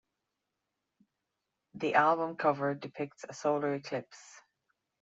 The album cover depicts a solar eclipse.